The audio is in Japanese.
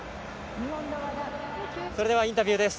それではインタビューです。